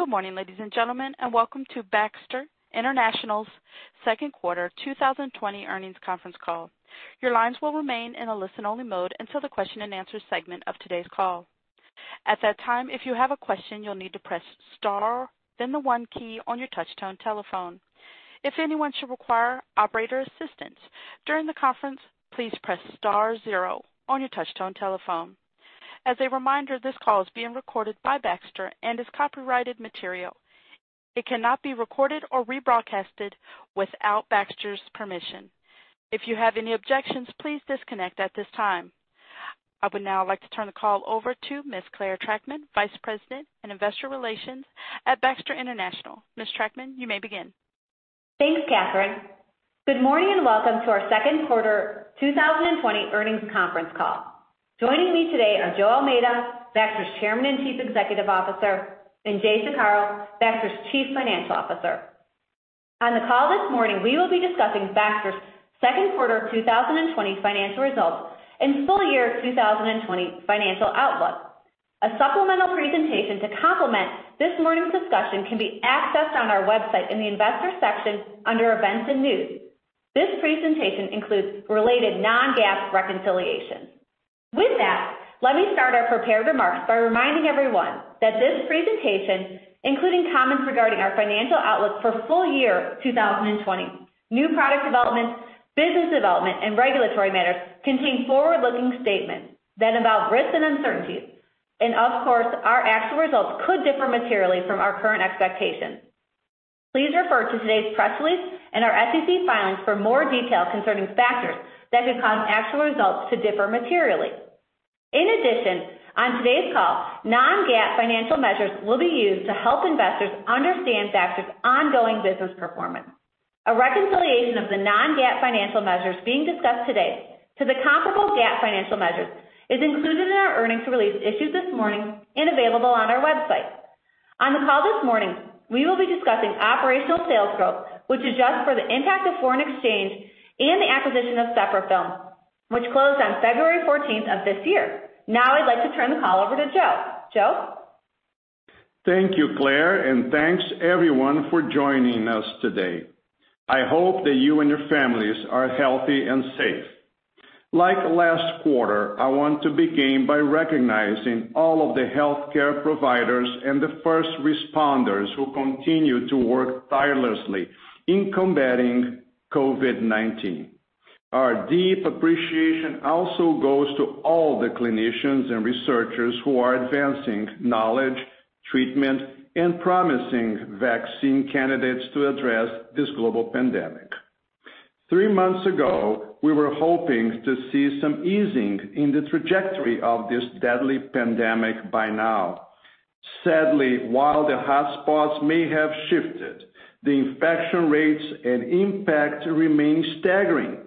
Good morning, ladies and gentlemen, and welcome to Baxter International's second quarter 2020 earnings conference call. Your lines will remain in a listen-only mode until the question-and-answer segment of today's call. At that time, if you have a question, you'll need to press star, then the one key on your touch-tone telephone. If anyone should require operator assistance during the conference, please press star zero on your touch-tone telephone. As a reminder, this call is being recorded by Baxter and is copyrighted material. It cannot be recorded or rebroadcasted without Baxter's permission. If you have any objections, please disconnect at this time. I would now like to turn the call over to Ms. Clare Trachtman, Vice President and Investor Relations at Baxter International. Ms. Trachtman, you may begin. Thanks, Katherine. Good morning and welcome to our second quarter 2020 earnings conference call. Joining me today are Joe Almeida, Baxter's Chairman and Chief Executive Officer, and Jay Saccaro, Baxter's Chief Financial Officer. On the call this morning, we will be discussing Baxter's second quarter 2020 financial results and full year 2020 financial outlook. A supplemental presentation to complement this morning's discussion can be accessed on our website in the investor section under events and news. This presentation includes related non-GAAP reconciliations. With that, let me start our prepared remarks by reminding everyone that this presentation, including comments regarding our financial outlook for full year 2020, new product developments, business development, and regulatory matters, contains forward-looking statements that involve risks and uncertainties. Of course, our actual results could differ materially from our current expectations. Please refer to today's press release and our SEC filings for more detail concerning factors that could cause actual results to differ materially. In addition, on today's call, non-GAAP financial measures will be used to help investors understand Baxter's ongoing business performance. A reconciliation of the non-GAAP financial measures being discussed today to the comparable GAAP financial measures is included in our earnings release issued this morning and available on our website. On the call this morning, we will be discussing operational sales growth, which adjusts for the impact of foreign exchange and the acquisition of Sepra Film, which closed on February 14 of this year. Now I'd like to turn the call over to Joe. Joe. Thank you, Clare, and thanks everyone for joining us today. I hope that you and your families are healthy and safe. Like last quarter, I want to begin by recognizing all of the healthcare providers and the first responders who continue to work tirelessly in combating COVID-19. Our deep appreciation also goes to all the clinicians and researchers who are advancing knowledge, treatment, and promising vaccine candidates to address this global pandemic. Three months ago, we were hoping to see some easing in the trajectory of this deadly pandemic by now. Sadly, while the hotspots may have shifted, the infection rates and impact remain staggering.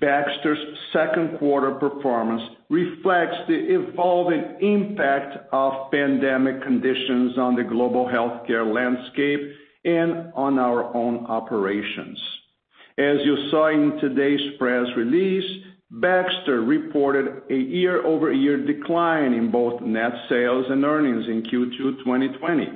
Baxter's second quarter performance reflects the evolving impact of pandemic conditions on the global healthcare landscape and on our own operations. As you saw in today's press release, Baxter reported a year-over-year decline in both net sales and earnings in Q2 2020.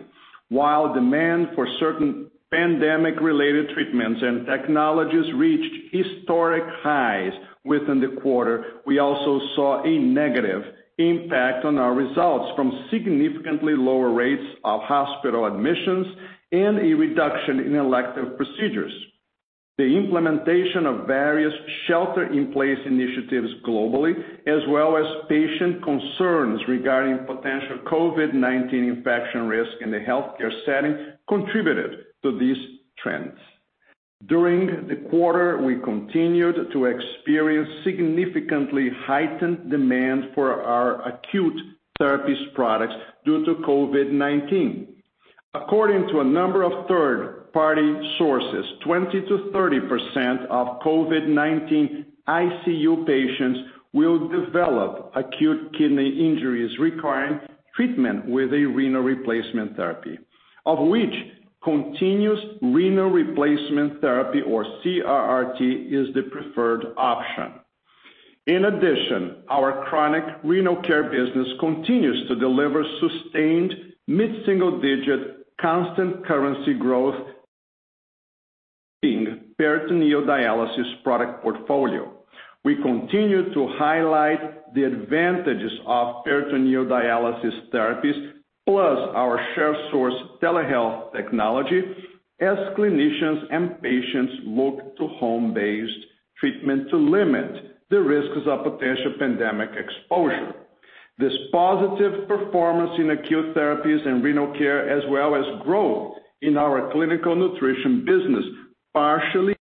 While demand for certain pandemic-related treatments and technologies reached historic highs within the quarter, we also saw a negative impact on our results from significantly lower rates of hospital admissions and a reduction in elective procedures. The implementation of various shelter-in-place initiatives globally, as well as patient concerns regarding potential COVID-19 infection risk in the healthcare setting, contributed to these trends. During the quarter, we continued to experience significantly heightened demand for our acute therapies products due to COVID-19. According to a number of third-party sources, 20%-30% of COVID-19 ICU patients will develop acute kidney injuries requiring treatment with a renal replacement therapy, of which continuous renal replacement therapy, or CRRT, is the preferred option. In addition, our chronic renal care business continues to deliver sustained mid-single-digit constant currency growth being peritoneal dialysis product portfolio. We continue to highlight the advantages of peritoneal dialysis therapies, plus our shared source telehealth technology, as clinicians and patients look to home-based treatment to limit the risks of potential pandemic exposure. This positive performance in acute therapies and renal care, as well as growth in our clinical nutrition business, partially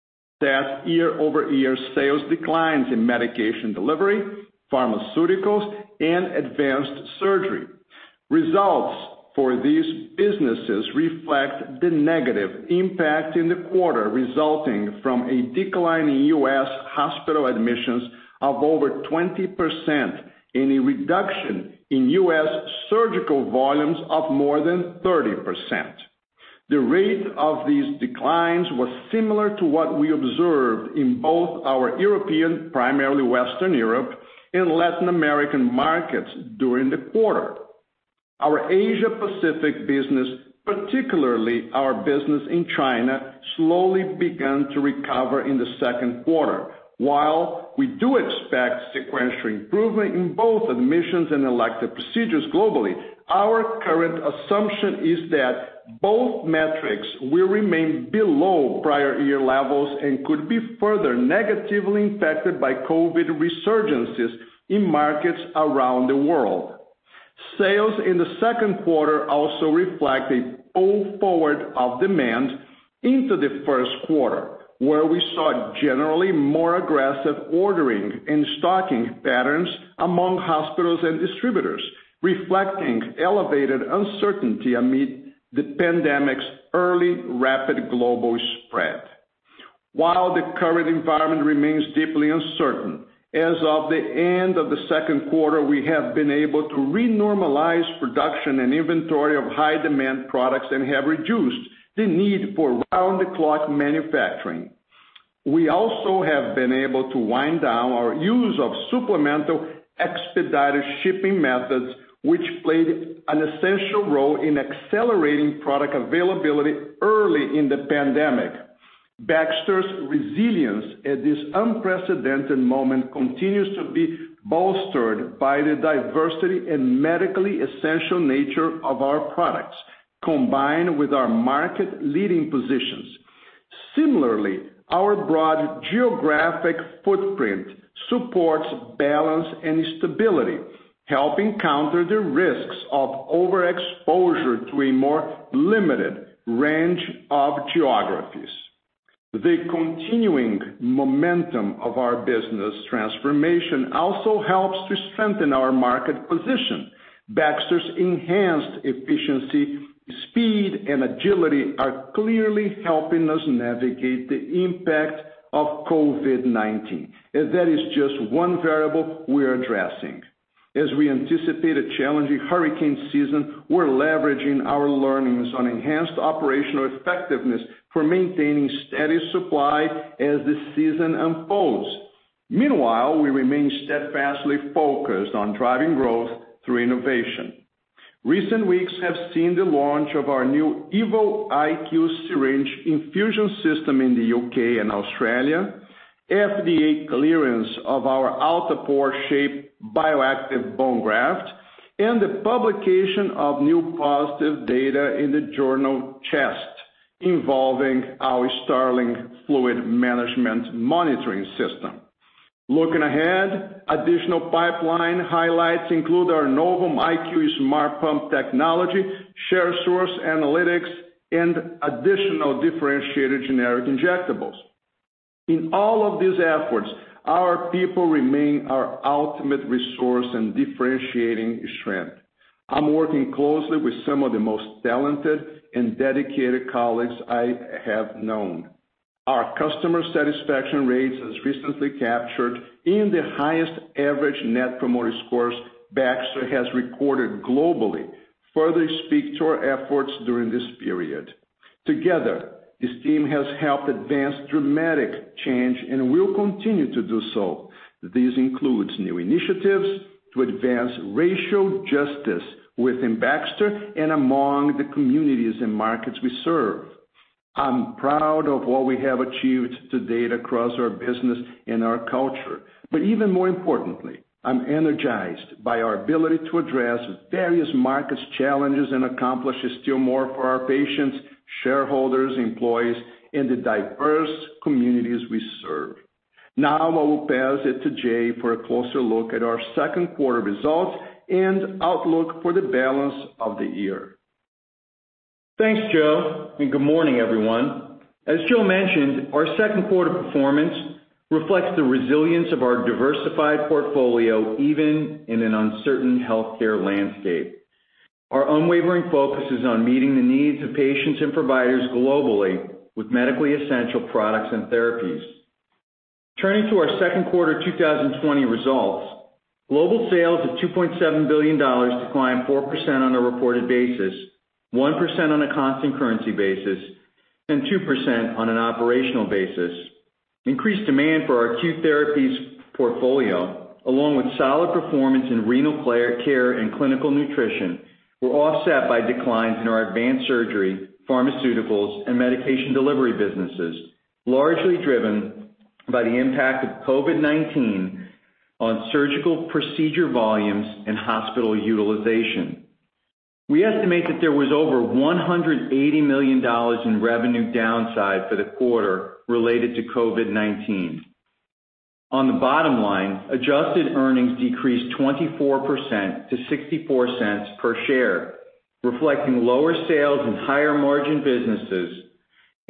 adds year-over-year sales declines in medication delivery, pharmaceuticals, and advanced surgery. Results for these businesses reflect the negative impact in the quarter resulting from a decline in U.S. hospital admissions of over 20% and a reduction in U.S. surgical volumes of more than 30%. The rate of these declines was similar to what we observed in both our European, primarily Western Europe, and Latin American markets during the quarter. Our Asia-Pacific business, particularly our business in China, slowly began to recover in the second quarter. While we do expect sequential improvement in both admissions and elective procedures globally, our current assumption is that both metrics will remain below prior year levels and could be further negatively impacted by COVID resurgences in markets around the world. Sales in the second quarter also reflect a pull forward of demand into the first quarter, where we saw generally more aggressive ordering and stocking patterns among hospitals and distributors, reflecting elevated uncertainty amid the pandemic's early rapid global spread. While the current environment remains deeply uncertain, as of the end of the second quarter, we have been able to renormalize production and inventory of high-demand products and have reduced the need for round-the-clock manufacturing. We also have been able to wind down our use of supplemental expedited shipping methods, which played an essential role in accelerating product availability early in the pandemic. Baxter's resilience at this unprecedented moment continues to be bolstered by the diversity and medically essential nature of our products, combined with our market-leading positions. Similarly, our broad geographic footprint supports balance and stability, helping counter the risks of overexposure to a more limited range of geographies. The continuing momentum of our business transformation also helps to strengthen our market position. Baxter's enhanced efficiency, speed, and agility are clearly helping us navigate the impact of COVID-19. That is just one variable we are addressing. As we anticipate a challenging hurricane season, we're leveraging our learnings on enhanced operational effectiveness for maintaining steady supply as the season unfolds. Meanwhile, we remain steadfastly focused on driving growth through innovation. Recent weeks have seen the launch of our new EvoIQ syringe infusion system in the U.K. and Australia, FDA clearance of our Altapor shaped bioactive bone graft, and the publication of new positive data in the journal Chest involving our Starling fluid management monitoring system. Looking ahead, additional pipeline highlights include our Novum IQ Smart Pump technology, shared source analytics, and additional differentiated generic injectables. In all of these efforts, our people remain our ultimate resource and differentiating strength. I'm working closely with some of the most talented and dedicated colleagues I have known. Our customer satisfaction rates have recently captured the highest average net promoter scores Baxter has recorded globally, further speaking to our efforts during this period. Together, this team has helped advance dramatic change and will continue to do so. This includes new initiatives to advance racial justice within Baxter and among the communities and markets we serve. I'm proud of what we have achieved to date across our business and our culture. Even more importantly, I'm energized by our ability to address various markets' challenges and accomplish still more for our patients, shareholders, employees, and the diverse communities we serve. Now I will pass it to Jay for a closer look at our second quarter results and outlook for the balance of the year. Thanks, Joe, and good morning, everyone. As Joe mentioned, our second quarter performance reflects the resilience of our diversified portfolio even in an uncertain healthcare landscape. Our unwavering focus is on meeting the needs of patients and providers globally with medically essential products and therapies. Turning to our second quarter 2020 results, global sales of $2.7 billion declined 4% on a reported basis, 1% on a constant currency basis, and 2% on an operational basis. Increased demand for our acute therapies portfolio, along with solid performance in renal care and clinical nutrition, were offset by declines in our advanced surgery, pharmaceuticals, and medication delivery businesses, largely driven by the impact of COVID-19 on surgical procedure volumes and hospital utilization. We estimate that there was over $180 million in revenue downside for the quarter related to COVID-19. On the bottom line, adjusted earnings decreased 24% to $0.64 per share, reflecting lower sales and higher margin businesses,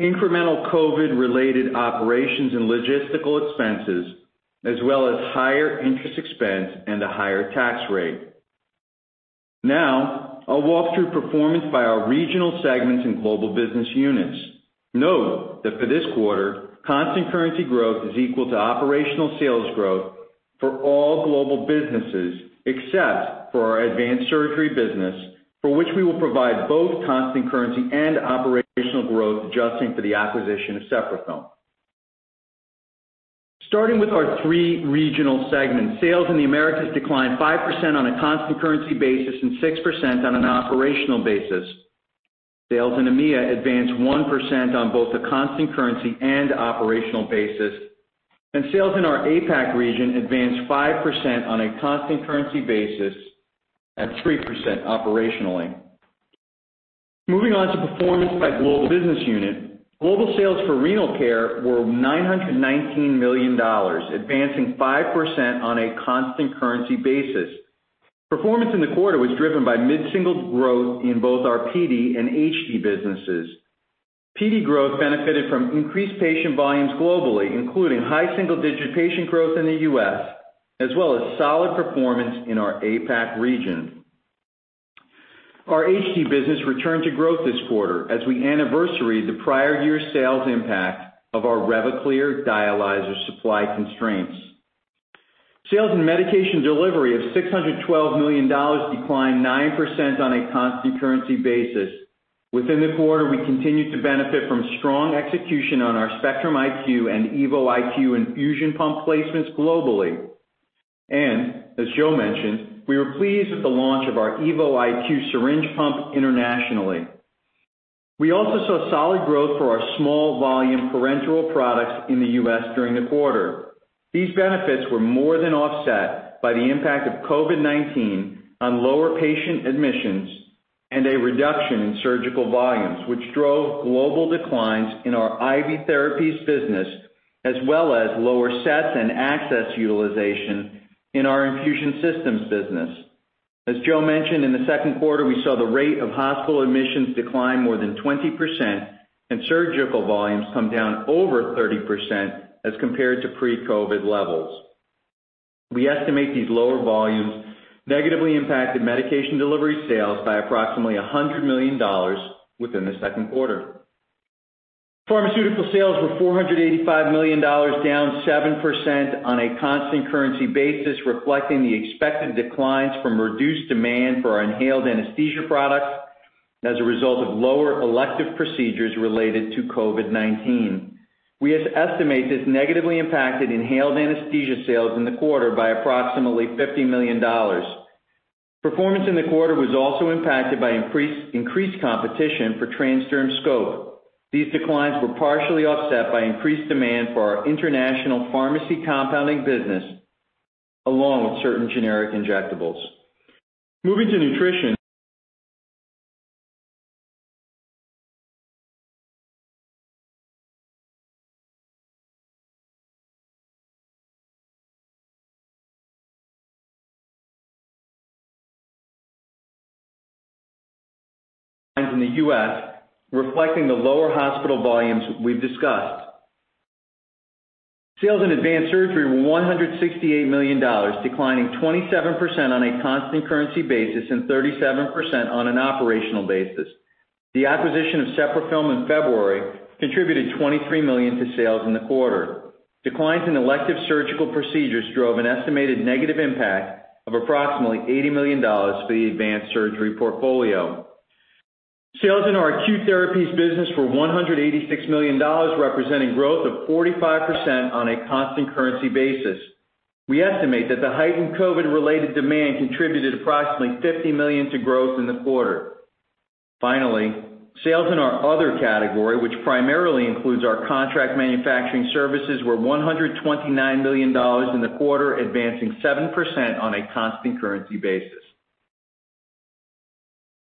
incremental COVID-related operations and logistical expenses, as well as higher interest expense and a higher tax rate. Now I'll walk through performance by our regional segments and global business units. Note that for this quarter, constant currency growth is equal to operational sales growth for all global businesses except for our Advanced Surgery business, for which we will provide both constant currency and operational growth adjusting for the acquisition of Sepra Film. Starting with our three regional segments, sales in the Americas declined 5% on a constant currency basis and 6% on an operational basis. Sales in EMEA advanced 1% on both a constant currency and operational basis. Sales in our APAC region advanced 5% on a constant currency basis and 3% operationally. Moving on to performance by global business unit, global sales for renal care were $919 million, advancing 5% on a constant currency basis. Performance in the quarter was driven by mid-single growth in both our PD and HD businesses. PD growth benefited from increased patient volumes globally, including high single-digit patient growth in the U.S., as well as solid performance in our APAC region. Our HD business returned to growth this quarter as we anniversaried the prior year's sales impact of our Revaclear dialyzer supply constraints. Sales in medication delivery of $612 million declined 9% on a constant currency basis. Within the quarter, we continued to benefit from strong execution on our Spectrum IQ and EvoIQ infusion pump placements globally. As Joe mentioned, we were pleased with the launch of our EvoIQ syringe pump internationally. We also saw solid growth for our small volume parenteral products in the U.S. during the quarter. These benefits were more than offset by the impact of COVID-19 on lower patient admissions and a reduction in surgical volumes, which drove global declines in our IV therapies business, as well as lower sets and access utilization in our infusion systems business. As Joe mentioned, in the second quarter, we saw the rate of hospital admissions decline more than 20% and surgical volumes come down over 30% as compared to pre-COVID levels. We estimate these lower volumes negatively impacted medication delivery sales by approximately $100 million within the second quarter. Pharmaceutical sales were $485 million, down 7% on a constant currency basis, reflecting the expected declines from reduced demand for our inhaled anesthesia products as a result of lower elective procedures related to COVID-19. We estimate this negatively impacted inhaled anesthesia sales in the quarter by approximately $50 million. Performance in the quarter was also impacted by increased competition for transdermal scopolamine. These declines were partially offset by increased demand for our international pharmacy compounding business, along with certain generic injectables. Moving to nutrition. In the U.S., reflecting the lower hospital volumes we've discussed. Sales in Advanced Surgery were $168 million, declining 27% on a constant currency basis and 37% on an operational basis. The acquisition of Sepra Film in February contributed $23 million to sales in the quarter. Declines in elective surgical procedures drove an estimated negative impact of approximately $80 million for the Advanced Surgery portfolio. Sales in our Acute Therapies business were $186 million, representing growth of 45% on a constant currency basis. We estimate that the heightened COVID-related demand contributed approximately $50 million to growth in the quarter. Finally, sales in our other category, which primarily includes our contract manufacturing services, were $129 million in the quarter, advancing 7% on a constant currency basis.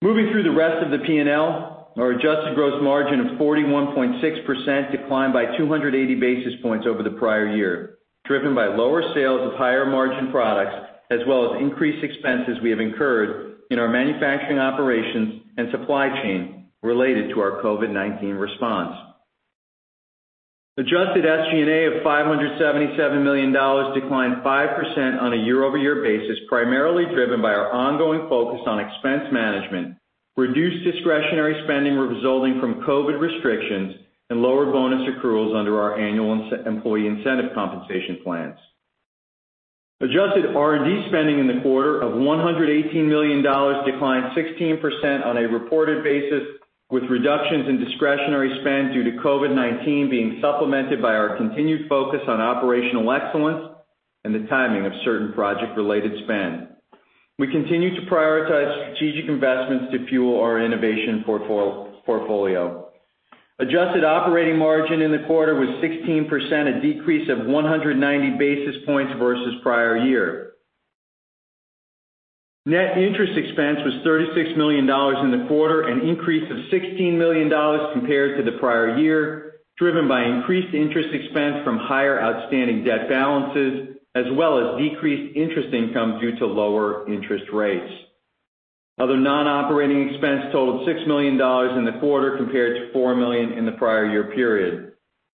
Moving through the rest of the P&L, our adjusted gross margin of 41.6% declined by 280 basis points over the prior year, driven by lower sales of higher margin products, as well as increased expenses we have incurred in our manufacturing operations and supply chain related to our COVID-19 response. Adjusted SG&A of $577 million declined 5% on a year-over-year basis, primarily driven by our ongoing focus on expense management, reduced discretionary spending resulting from COVID restrictions, and lower bonus accruals under our annual employee incentive compensation plans. Adjusted R&D spending in the quarter of $118 million declined 16% on a reported basis, with reductions in discretionary spend due to COVID-19 being supplemented by our continued focus on operational excellence and the timing of certain project-related spend. We continue to prioritize strategic investments to fuel our innovation portfolio. Adjusted operating margin in the quarter was 16%, a decrease of 190 basis points versus prior year. Net interest expense was $36 million in the quarter, an increase of $16 million compared to the prior year, driven by increased interest expense from higher outstanding debt balances, as well as decreased interest income due to lower interest rates. Other non-operating expense totaled $6 million in the quarter compared to $4 million in the prior year period.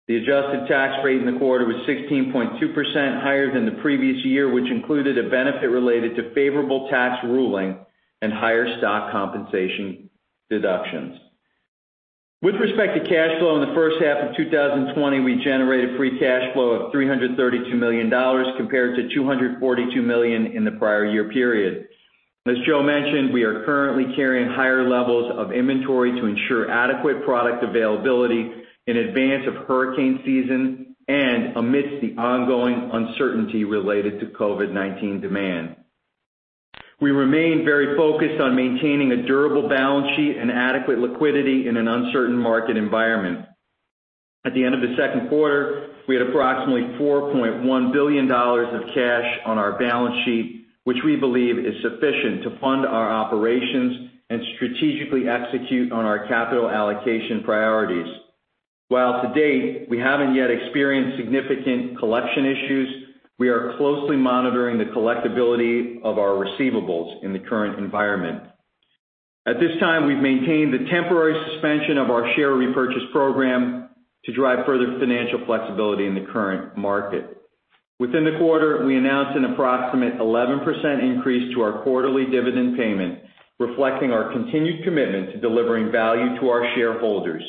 The adjusted tax rate in the quarter was 16.2%, higher than the previous year, which included a benefit related to favorable tax ruling and higher stock compensation deductions. With respect to cash flow in the first half of 2020, we generated free cash flow of $332 million compared to $242 million in the prior year period. As Joe mentioned, we are currently carrying higher levels of inventory to ensure adequate product availability in advance of hurricane season and amidst the ongoing uncertainty related to COVID-19 demand. We remain very focused on maintaining a durable balance sheet and adequate liquidity in an uncertain market environment. At the end of the second quarter, we had approximately $4.1 billion of cash on our balance sheet, which we believe is sufficient to fund our operations and strategically execute on our capital allocation priorities. While to date we haven't yet experienced significant collection issues, we are closely monitoring the collectibility of our receivables in the current environment. At this time, we've maintained the temporary suspension of our share repurchase program to drive further financial flexibility in the current market. Within the quarter, we announced an approximate 11% increase to our quarterly dividend payment, reflecting our continued commitment to delivering value to our shareholders.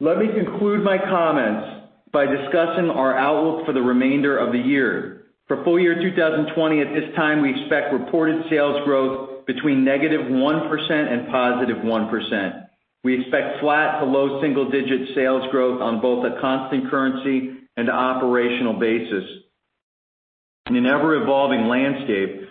Let me conclude my comments by discussing our outlook for the remainder of the year. For full year 2020, at this time, we expect reported sales growth between -1% and 1%. We expect flat to low single-digit sales growth on both a constant currency and operational basis. In an ever-evolving landscape,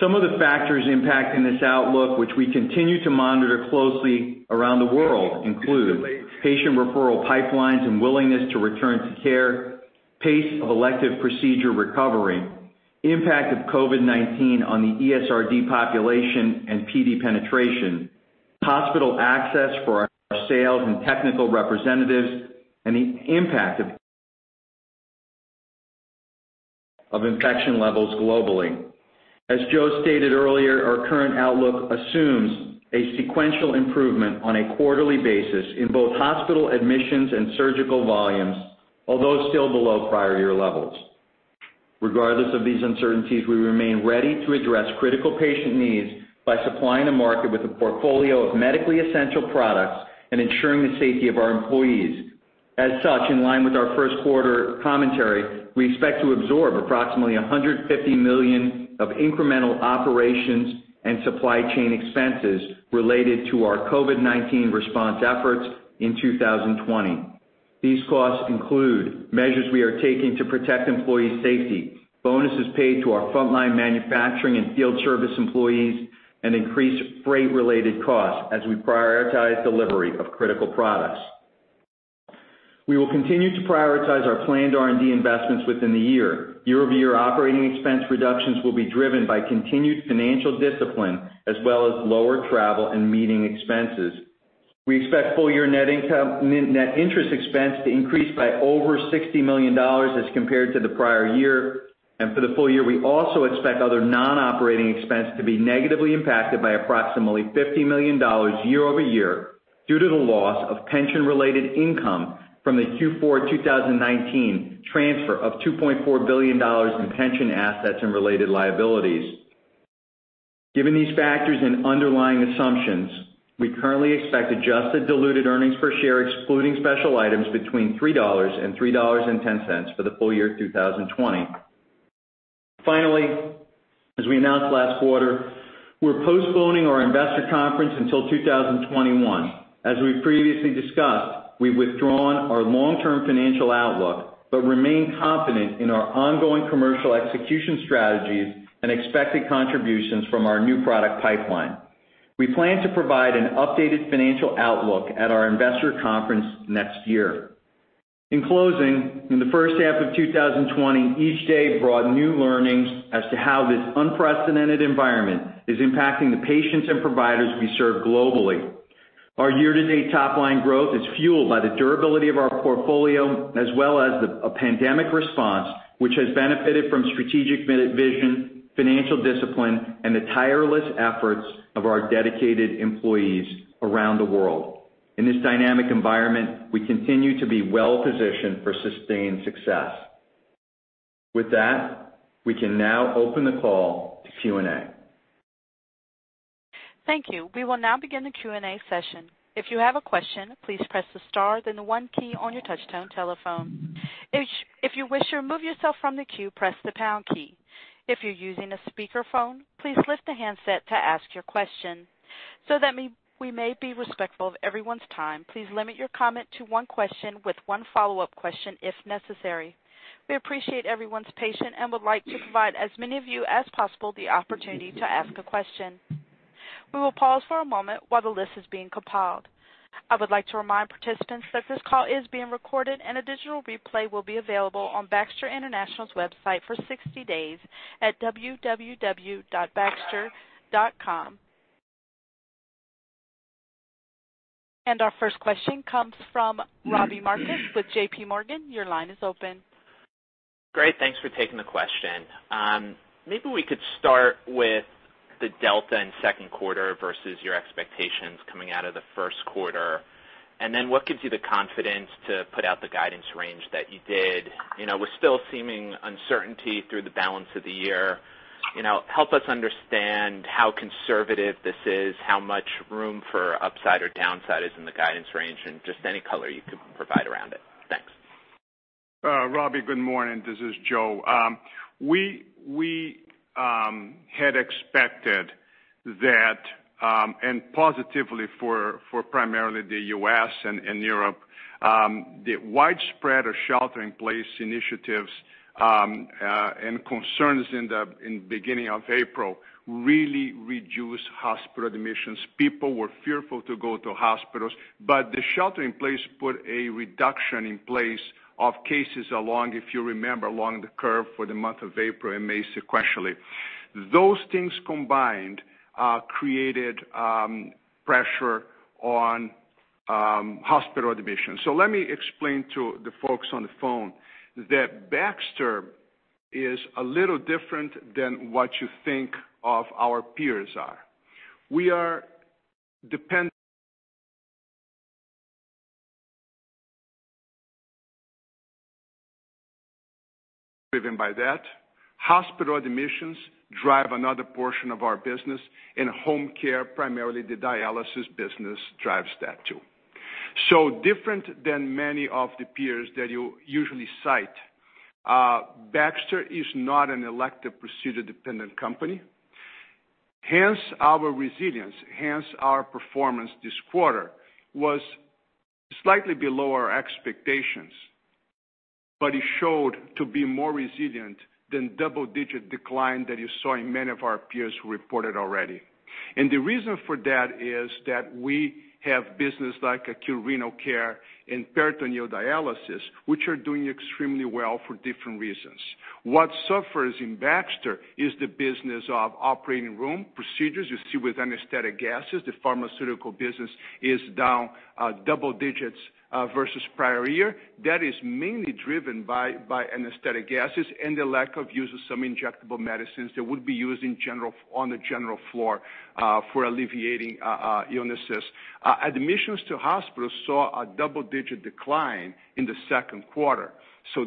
some of the factors impacting this outlook, which we continue to monitor closely around the world, include patient referral pipelines and willingness to return to care, pace of elective procedure recovery, impact of COVID-19 on the ESRD population and PD penetration, hospital access for our sales and technical representatives, and the impact of infection levels globally. As Joe stated earlier, our current outlook assumes a sequential improvement on a quarterly basis in both hospital admissions and surgical volumes, although still below prior year levels. Regardless of these uncertainties, we remain ready to address critical patient needs by supplying the market with a portfolio of medically essential products and ensuring the safety of our employees. As such, in line with our first quarter commentary, we expect to absorb approximately $150 million of incremental operations and supply chain expenses related to our COVID-19 response efforts in 2020. These costs include measures we are taking to protect employee safety, bonuses paid to our frontline manufacturing and field service employees, and increased freight-related costs as we prioritize delivery of critical products. We will continue to prioritize our planned R&D investments within the year. Year-over-year operating expense reductions will be driven by continued financial discipline as well as lower travel and meeting expenses. We expect full year net interest expense to increase by over $60 million as compared to the prior year. For the full year, we also expect other non-operating expenses to be negatively impacted by approximately $50 million year-over-year due to the loss of pension-related income from the Q4 2019 transfer of $2.4 billion in pension assets and related liabilities. Given these factors and underlying assumptions, we currently expect adjusted diluted earnings per share, excluding special items, between $3 and $3.10 for the full year 2020. Finally, as we announced last quarter, we're postponing our investor conference until 2021. As we previously discussed, we've withdrawn our long-term financial outlook but remain confident in our ongoing commercial execution strategies and expected contributions from our new product pipeline. We plan to provide an updated financial outlook at our investor conference next year. In closing, in the first half of 2020, each day brought new learnings as to how this unprecedented environment is impacting the patients and providers we serve globally. Our year-to-date top-line growth is fueled by the durability of our portfolio as well as a pandemic response, which has benefited from strategic vision, financial discipline, and the tireless efforts of our dedicated employees around the world. In this dynamic environment, we continue to be well-positioned for sustained success. With that, we can now open the call to Q&A. Thank you. We will now begin the Q&A session. If you have a question, please press the star, then the one key on your touch-tone telephone. If you wish to remove yourself from the queue, press the pound key. If you're using a speakerphone, please lift the handset to ask your question. So that we may be respectful of everyone's time, please limit your comment to one question with one follow-up question if necessary. We appreciate everyone's patience and would like to provide as many of you as possible the opportunity to ask a question. We will pause for a moment while the list is being compiled. I would like to remind participants that this call is being recorded and a digital replay will be available on Baxter International's website for 60 days at www.baxter.com. Our first question comes from Robbie Marcus with J.P. Morgan. Your line is open. Great. Thanks for taking the question. Maybe we could start with the delta in second quarter versus your expectations coming out of the first quarter. What gives you the confidence to put out the guidance range that you did? You know, with still seeming uncertainty through the balance of the year, you know, help us understand how conservative this is, how much room for upside or downside is in the guidance range, and just any color you could provide around it. Thanks. Robbie, good morning. This is Joe. We had expected that, and positively for primarily the U.S. In Europe, the widespread shelter-in-place initiatives and concerns in the beginning of April really reduced hospital admissions. People were fearful to go to hospitals, but the shelter-in-place put a reduction in place of cases along, if you remember, along the curve for the month of April and May sequentially. Those things combined created pressure on hospital admissions. Let me explain to the folks on the phone that Baxter is a little different than what you think our peers are. We are dependent by that. Hospital admissions drive another portion of our business, and home care, primarily the dialysis business, drives that too. Different than many of the peers that you usually cite, Baxter is not an elective procedure-dependent company. Hence, our resilience, hence our performance this quarter, was slightly below our expectations, but it showed to be more resilient than the double-digit decline that you saw in many of our peers who reported already. The reason for that is that we have business like acute renal care and peritoneal dialysis, which are doing extremely well for different reasons. What suffers in Baxter is the business of operating room procedures. You see with anesthetic gases, the pharmaceutical business is down double digits versus prior year. That is mainly driven by anesthetic gases and the lack of use of some injectable medicines that would be used on the general floor for alleviating illnesses. Admissions to hospitals saw a double-digit decline in the second quarter.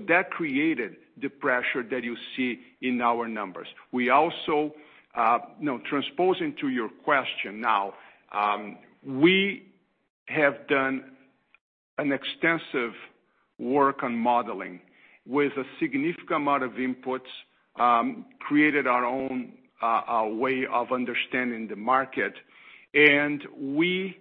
That created the pressure that you see in our numbers. We also, you know, transposing to your question now, we have done an extensive work on modeling with a significant amount of inputs, created our own way of understanding the market. And we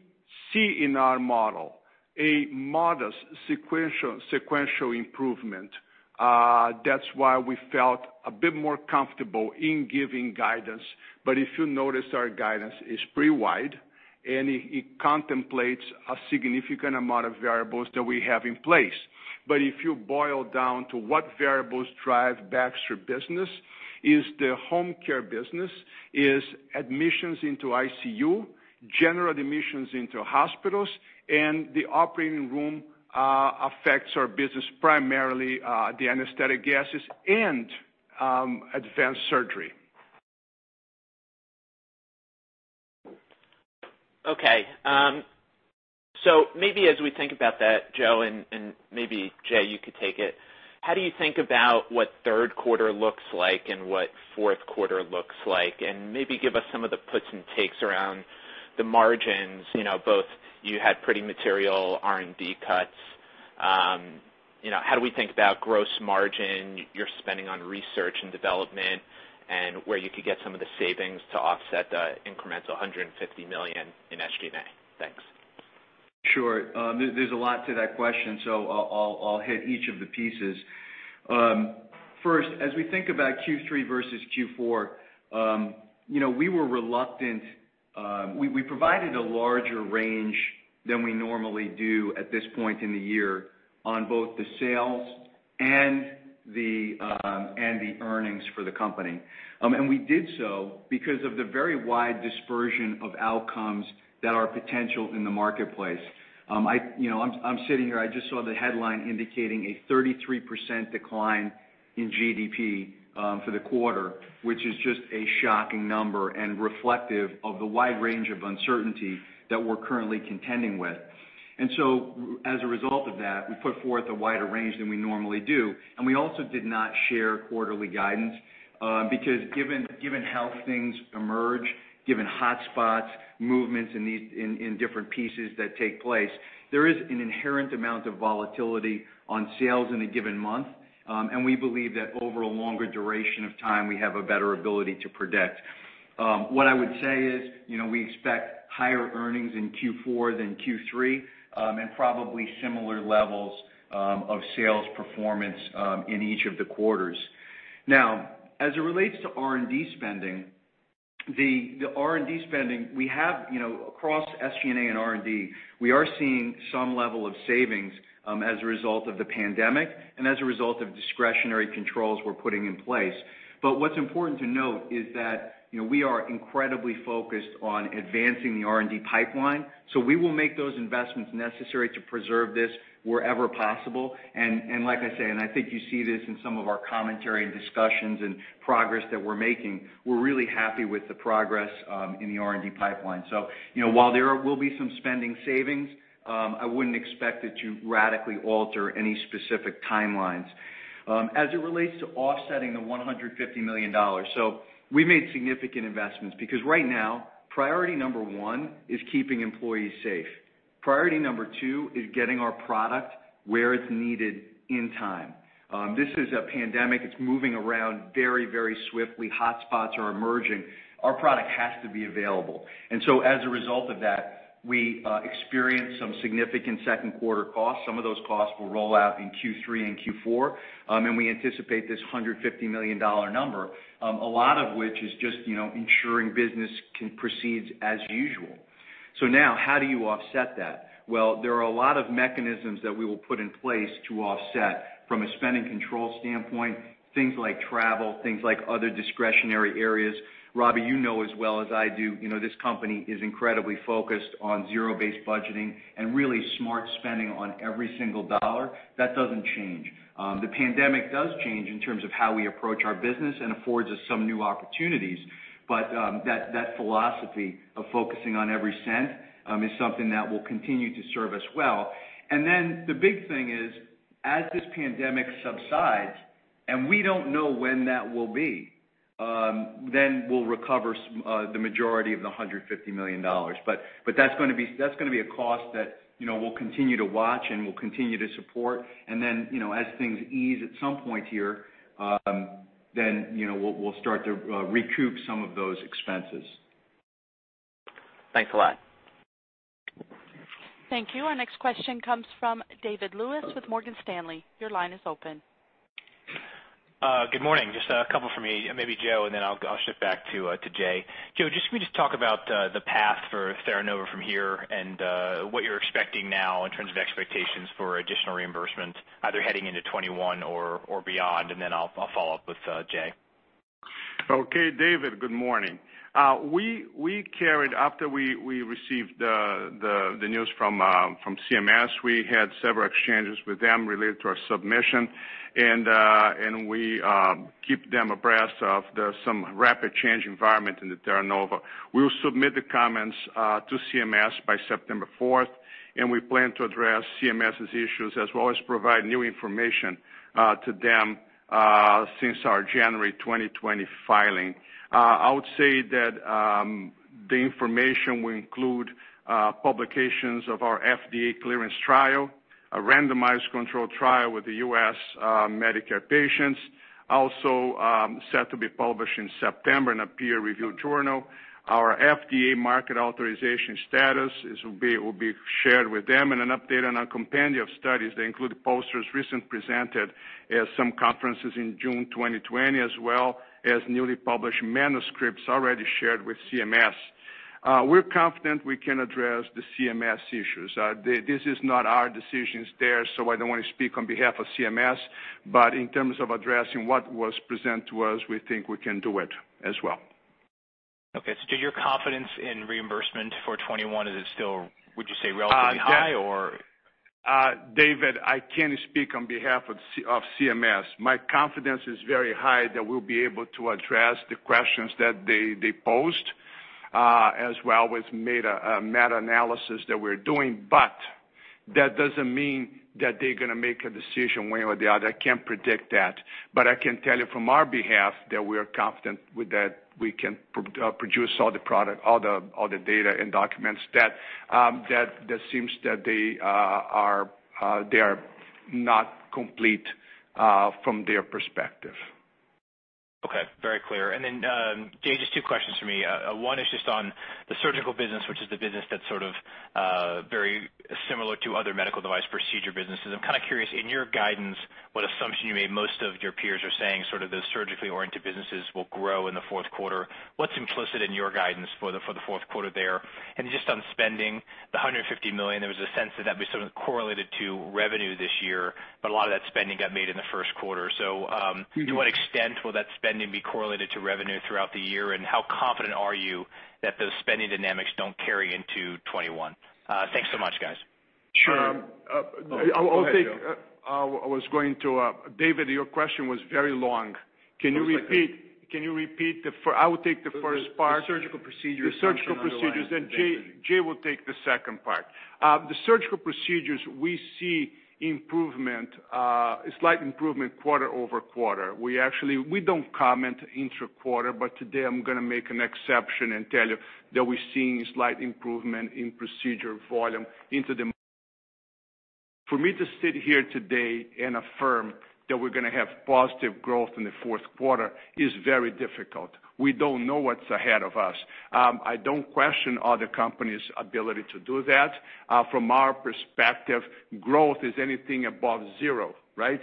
see in our model a modest sequential improvement. That's why we felt a bit more comfortable in giving guidance. If you notice, our guidance is pretty wide, and it contemplates a significant amount of variables that we have in place. If you boil down to what variables drive Baxter business, it's the home care business, it's admissions into ICU, general admissions into hospitals, and the operating room affects our business primarily the anesthetic gases and advanced surgery. Okay. Maybe as we think about that, Joe, and maybe Jay, you could take it. How do you think about what third quarter looks like and what fourth quarter looks like, and maybe give us some of the puts and takes around the margins, you know, both you had pretty material R&D cuts. You know, how do we think about gross margin, your spending on research and development, and where you could get some of the savings to offset the incremental $150 million in SG&A? Thanks. Sure. There's a lot to that question, so I'll hit each of the pieces. First, as we think about Q3 versus Q4, you know, we were reluctant. We provided a larger range than we normally do at this point in the year on both the sales and the earnings for the company. We did so because of the very wide dispersion of outcomes that are potential in the marketplace. You know, I'm sitting here, I just saw the headline indicating a 33% decline in GDP for the quarter, which is just a shocking number and reflective of the wide range of uncertainty that we're currently contending with. As a result of that, we put forth a wider range than we normally do. We also did not share quarterly guidance because given how things emerge, given hotspots, movements in different pieces that take place, there is an inherent amount of volatility on sales in a given month. We believe that over a longer duration of time, we have a better ability to predict. What I would say is, you know, we expect higher earnings in Q4 than Q3 and probably similar levels of sales performance in each of the quarters. Now, as it relates to R&D spending, the R&D spending we have, you know, across SG&A and R&D, we are seeing some level of savings as a result of the pandemic and as a result of discretionary controls we're putting in place. What's important to note is that, you know, we are incredibly focused on advancing the R&D pipeline. We will make those investments necessary to preserve this wherever possible. Like I say, and I think you see this in some of our commentary and discussions and progress that we're making, we're really happy with the progress in the R&D pipeline. You know, while there will be some spending savings, I wouldn't expect it to radically alter any specific timelines. As it relates to offsetting the $150 million, we made significant investments because right now, priority number one is keeping employees safe. Priority number two is getting our product where it's needed in time. This is a pandemic. It's moving around very, very swiftly. Hotspots are emerging. Our product has to be available. As a result of that, we experienced some significant second quarter costs. Some of those costs will roll out in Q3 and Q4, and we anticipate this $150 million number, a lot of which is just, you know, ensuring business proceeds as usual. Now, how do you offset that? There are a lot of mechanisms that we will put in place to offset from a spending control standpoint, things like travel, things like other discretionary areas. Robbie, you know as well as I do, you know, this company is incredibly focused on zero-based budgeting and really smart spending on every single dollar. That doesn't change. The pandemic does change in terms of how we approach our business and affords us some new opportunities. That philosophy of focusing on every cent is something that will continue to serve us well. The big thing is, as this pandemic subsides, and we do not know when that will be, we will recover the majority of the $150 million. That is going to be a cost that, you know, we will continue to watch and we will continue to support. You know, as things ease at some point here, you know, we will start to recoup some of those expenses. Thanks a lot. Thank you. Our next question comes from David Lewis with Morgan Stanley. Your line is open. Good morning. Just a couple from me, maybe Joe, and then I will shift back to Jay. Joe, just can we just talk about the path for Theranova from here and what you're expecting now in terms of expectations for additional reimbursement, either heading into 2021 or beyond? Okay, David, good morning. We carried, after we received the news from CMS, we had several exchanges with them related to our submission, and we keep them abreast of the some rapid change environment in the Theranova. We will submit the comments to CMS by September 4, and we plan to address CMS's issues as well as provide new information to them since our January 2020 filing. I would say that the information will include publications of our FDA clearance trial, a randomized control trial with the U.S. Medicare patients, also set to be published in September in a peer-reviewed journal. Our FDA market authorization status will be shared with them and an update on a compendium of studies that include posters recently presented at some conferences in June 2020, as well as newly published manuscripts already shared with CMS. We're confident we can address the CMS issues. This is not our decisions there, so I don't want to speak on behalf of CMS. In terms of addressing what was presented to us, we think we can do it as well. Okay. Your confidence in reimbursement for 2021, is it still, would you say, relatively high or? David, I can't speak on behalf of CMS. My confidence is very high that we'll be able to address the questions that they posed as well with meta-analysis that we're doing. That doesn't mean that they're going to make a decision one way or the other. I can't predict that. I can tell you from our behalf that we are confident that we can produce all the product, all the data and documents that seem that they are not complete from their perspective. Okay. Very clear. Jay, just two questions for me. One is just on the surgical business, which is the business that's sort of very similar to other medical device procedure businesses. I'm kind of curious, in your guidance, what assumption you made. Most of your peers are saying sort of those surgically-oriented businesses will grow in the fourth quarter. What's implicit in your guidance for the fourth quarter there? Just on spending, the $150 million, there was a sense that that would be sort of correlated to revenue this year, but a lot of that spending got made in the first quarter. To what extent will that spending be correlated to revenue throughout the year? How confident are you that those spending dynamics do not carry into 2021? Thanks so much, guys. Sure. I was going to, David, your question was very long. Can you repeat? Can you repeat the first? I will take the first part. The surgical procedures. The surgical procedures. Jay will take the second part. The surgical procedures, we see improvement, slight improvement quarter over quarter. We actually, we do not comment intra-quarter, but today I am going to make an exception and tell you that we are seeing slight improvement in procedure volume into the for me to sit here today and affirm that we are going to have positive growth in the fourth quarter is very difficult. We do not know what is ahead of us. I do not question other companies' ability to do that. From our perspective, growth is anything above zero, right?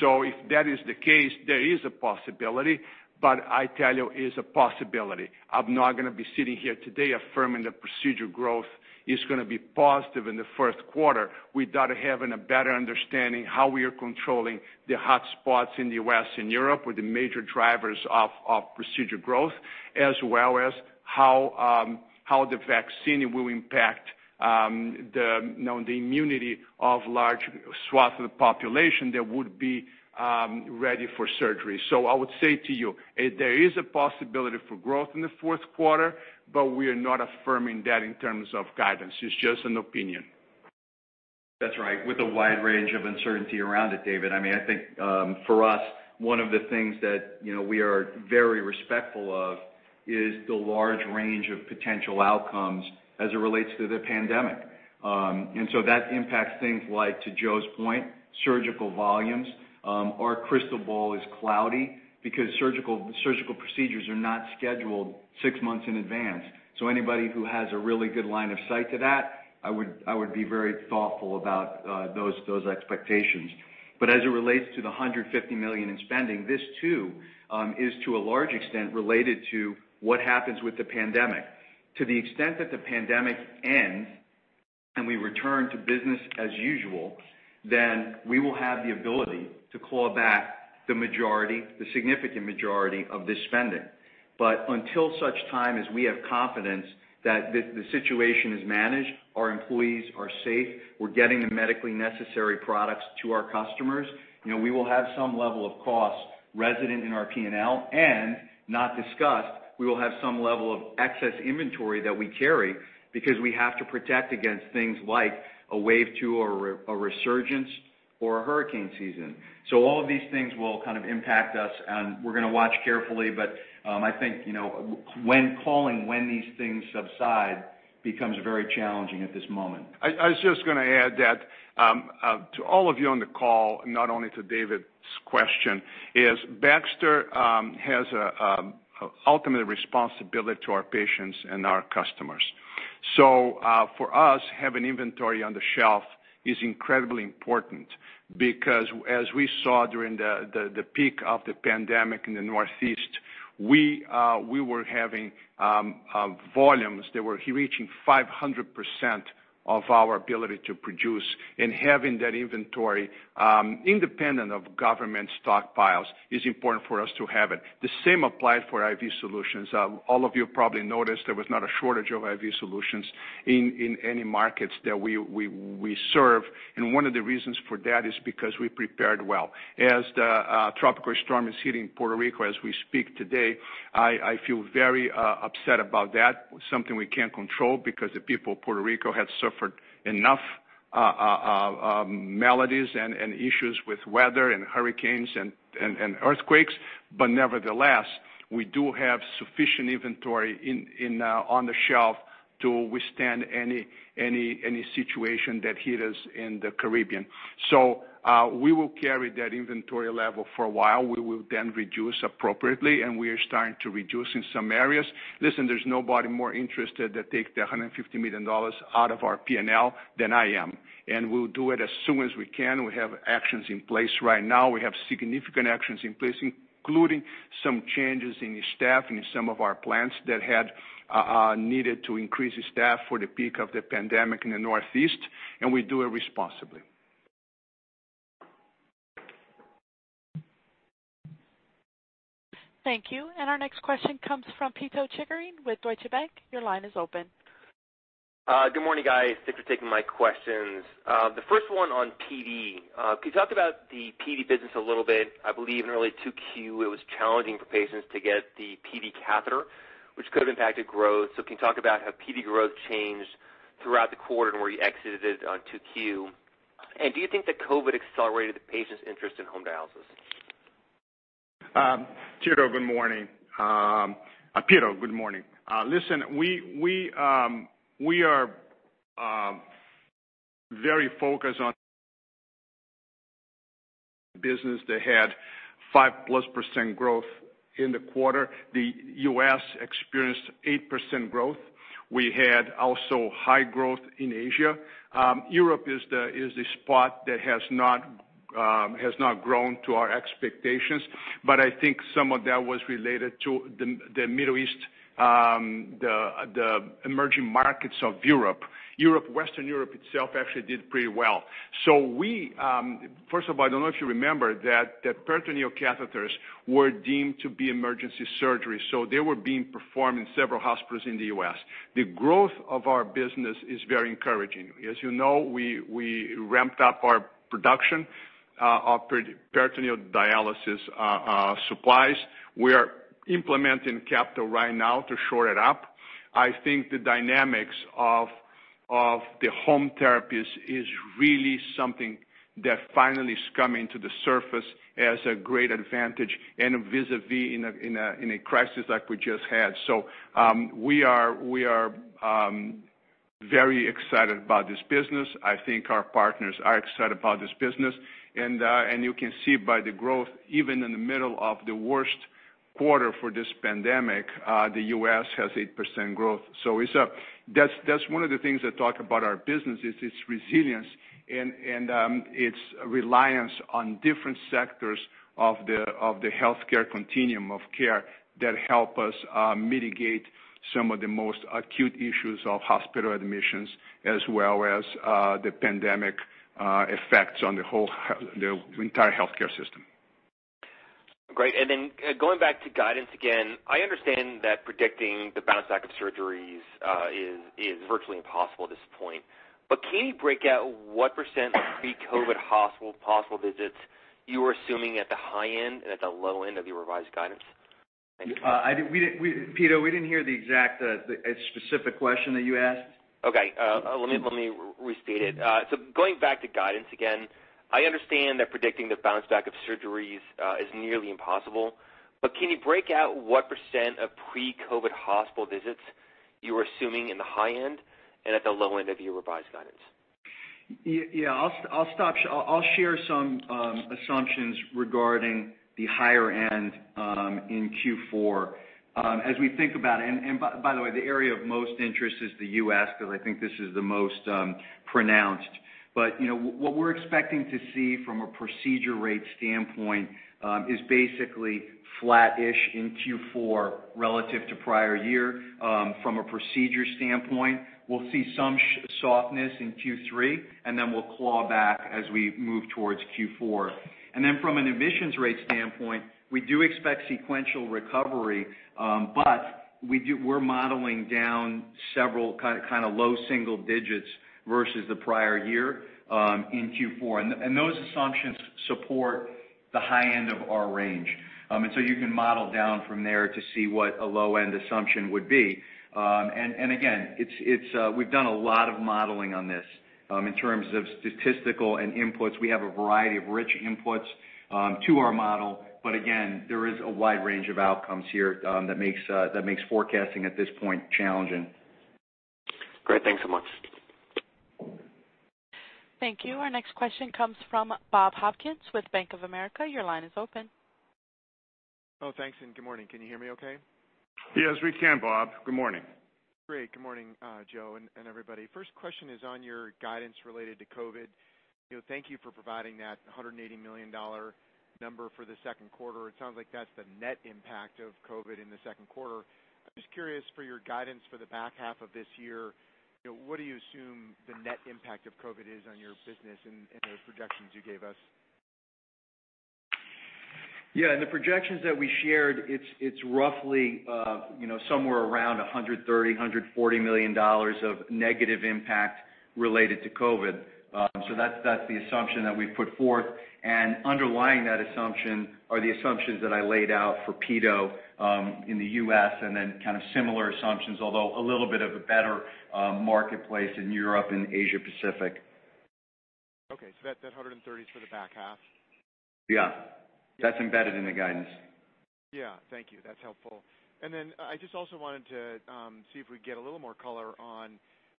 If that is the case, there is a possibility. I tell you, it is a possibility. I'm not going to be sitting here today affirming that procedure growth is going to be positive in the first quarter without having a better understanding how we are controlling the hotspots in the U.S. and Europe with the major drivers of procedure growth, as well as how the vaccine will impact the immunity of large swaths of the population that would be ready for surgery. I would say to you, there is a possibility for growth in the fourth quarter, but we are not affirming that in terms of guidance. It's just an opinion. That's right. With a wide range of uncertainty around it, David. I mean, I think for us, one of the things that, you know, we are very respectful of is the large range of potential outcomes as it relates to the pandemic. That impacts things like, to Joe's point, surgical volumes. Our crystal ball is cloudy because surgical procedures are not scheduled six months in advance. Anybody who has a really good line of sight to that, I would be very thoughtful about those expectations. As it relates to the $150 million in spending, this too is to a large extent related to what happens with the pandemic. To the extent that the pandemic ends and we return to business as usual, we will have the ability to claw back the majority, the significant majority of this spending. Until such time as we have confidence that the situation is managed, our employees are safe, we're getting the medically necessary products to our customers, you know, we will have some level of costs resident in our P&L and, not discussed, we will have some level of excess inventory that we carry because we have to protect against things like a wave two or a resurgence or a hurricane season. All of these things will kind of impact us, and we're going to watch carefully. I think, you know, when calling when these things subside becomes very challenging at this moment. I was just going to add that to all of you on the call, not only to David's question, is Baxter has ultimately responsibility to our patients and our customers. For us, having inventory on the shelf is incredibly important because as we saw during the peak of the pandemic in the Northeast, we were having volumes that were reaching 500% of our ability to produce. Having that inventory independent of government stockpiles is important for us to have it. The same applies for IV solutions. All of you probably noticed there was not a shortage of IV solutions in any markets that we serve. One of the reasons for that is because we prepared well. As the tropical storm is hitting Puerto Rico as we speak today, I feel very upset about that, something we can't control because the people of Puerto Rico had suffered enough maladies and issues with weather and hurricanes and earthquakes. Nevertheless, we do have sufficient inventory on the shelf to withstand any situation that hit us in the Caribbean. We will carry that inventory level for a while. We will then reduce appropriately, and we are starting to reduce in some areas. Listen, there's nobody more interested to take the $150 million out of our P&L than I am. We'll do it as soon as we can. We have actions in place right now. We have significant actions in place, including some changes in staffing in some of our plants that had needed to increase staff for the peak of the pandemic in the Northeast. We do it responsibly. Thank you. Our next question comes from Pito Chickering with Deutsche Bank. Your line is open. Good morning, guys. Thanks for taking my questions. The first one on PD. Can you talk about the PD business a little bit? I believe in early 2Q, it was challenging for patients to get the PD catheter, which could have impacted growth. Can you talk about how PD growth changed throughout the quarter and where you exited it on 2Q? Do you think that COVID accelerated the patient's interest in home dialysis? Pito, good morning. Listen, we are very focused on business that had 5%+ growth in the quarter. The U.S. experienced 8% growth. We had also high growth in Asia. Europe is the spot that has not grown to our expectations. I think some of that was related to the Middle East, the emerging markets of Europe. Western Europe itself actually did pretty well. First of all, I do not know if you remember that peritoneal catheters were deemed to be emergency surgery. They were being performed in several hospitals in the U.S. The growth of our business is very encouraging. As you know, we ramped up our production of peritoneal dialysis supplies. We are implementing capital right now to shore it up. I think the dynamics of the home therapies is really something that finally is coming to the surface as a great advantage and vis-à-vis in a crisis like we just had. We are very excited about this business. I think our partners are excited about this business. You can see by the growth, even in the middle of the worst quarter for this pandemic, the U.S. has 8% growth. That's one of the things that talk about our business is its resilience and its reliance on different sectors of the healthcare continuum of care that help us mitigate some of the most acute issues of hospital admissions as well as the pandemic effects on the entire healthcare system. Great. Going back to guidance again, I understand that predicting the bounce-back of surgeries is virtually impossible at this point. Can you break out what percent pre-COVID hospital visits you were assuming at the high end and at the low end of your revised guidance? Pito, we didn't hear the exact specific question that you asked. Okay. Let me restate it. Going back to guidance again, I understand that predicting the bounce-back of surgeries is nearly impossible. Can you break out what percent of pre-COVID hospital visits you were assuming in the high end and at the low end of your revised guidance? Yeah. I'll share some assumptions regarding the higher end in Q4 as we think about it. By the way, the area of most interest is the U.S. because I think this is the most pronounced. What we're expecting to see from a procedure rate standpoint is basically flat-ish in Q4 relative to prior year from a procedure standpoint. We'll see some softness in Q3, and then we'll claw back as we move towards Q4. From an admissions rate standpoint, we do expect sequential recovery. We're modeling down several kind of low single digits versus the prior year in Q4. Those assumptions support the high end of our range. You can model down from there to see what a low-end assumption would be. Again, we've done a lot of modeling on this in terms of statistical and inputs. We have a variety of rich inputs to our model. Again, there is a wide range of outcomes here that makes forecasting at this point challenging. Great. Thanks so much. Thank you. Our next question comes from Bob Hopkins with Bank of America. Your line is open. Oh, thanks. Good morning. Can you hear me okay? Yes, we can, Bob. Good morning. Great. Good morning, Joe and everybody. First question is on your guidance related to COVID. Thank you for providing that $180 million number for the second quarter. It sounds like that's the net impact of COVID in the second quarter. I'm just curious for your guidance for the back half of this year. What do you assume the net impact of COVID is on your business and those projections you gave us? Yeah. In the projections that we shared, it's roughly somewhere around $130 million-$140 million of negative impact related to COVID. That's the assumption that we've put forth. Underlying that assumption are the assumptions that I laid out for Pito in the U.S. and then kind of similar assumptions, although a little bit of a better marketplace in Europe and Asia-Pacific. Okay. That $130 million is for the back half? Yeah. That's embedded in the guidance. Yeah. Thank you. That's helpful. I just also wanted to see if we could get a little more color on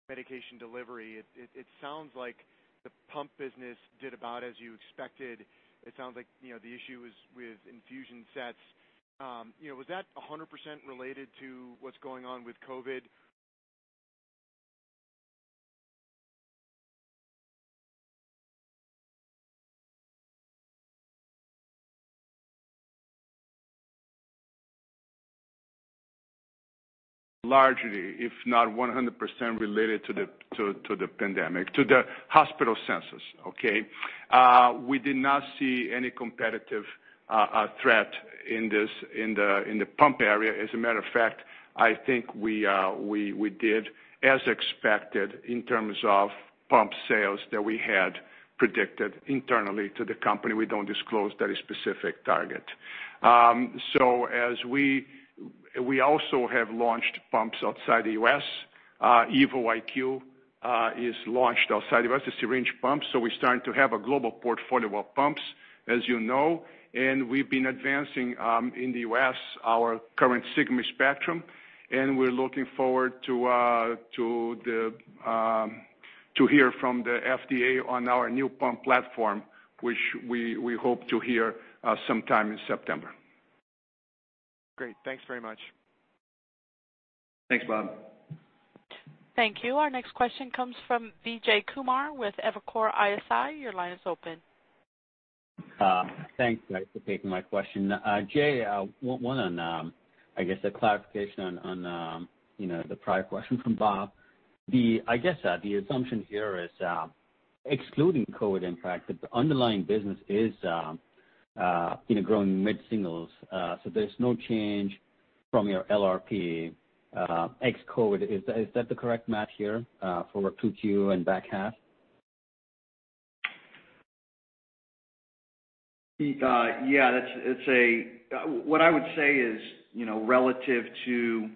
medication delivery. It sounds like the pump business did about as you expected. It sounds like the issue was with infusion sets. Was that 100% related to what's going on with COVID? Largely, if not 100% related to the pandemic, to the hospital census, okay? We did not see any competitive threat in the pump area. As a matter of fact, I think we did, as expected, in terms of pump sales that we had predicted internally to the company. We do not disclose that specific target. We also have launched pumps outside the U.S. EvoIQ is launched outside the U.S., a syringe pump. We are starting to have a global portfolio of pumps, as you know. We have been advancing in the U.S. our current Sigma Spectrum. We are looking forward to hear from the FDA on our new pump platform, which we hope to hear sometime in September. Great. Thanks very much. Thanks, Bob. Thank you. Our next question comes from Vijay Kumar with Evercore ISI. Your line is open. Thanks, guys, for taking my question. Jay, one on, I guess, a clarification on the prior question from Bob. I guess the assumption here is excluding COVID impact, the underlying business is growing mid-singles. So there's no change from your LRP ex-COVID. Is that the correct map here for 2Q and back half? Yeah. What I would say is relative to